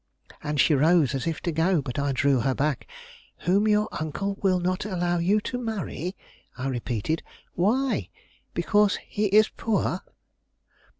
And she rose as if to go; but I drew her back. "Whom your uncle will not allow you to marry!" I repeated. "Why? because he is poor?"